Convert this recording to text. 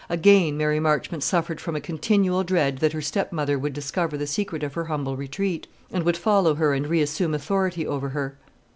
Again, Mary Marchmont suffered from a continual dread that her stepmother would discover the secret of her humble retreat, and would follow her and reassume authority over her.